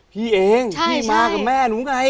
พี่เองพี่มากับแม่หนูไง